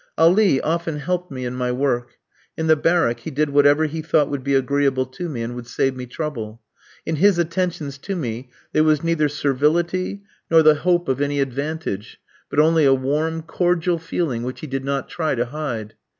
Ali often helped me in my work. In the barrack he did whatever he thought would be agreeable to me, and would save me trouble. In his attentions to me there was neither servility nor the hope of any advantage, but only a warm, cordial feeling, which he did not try to hide.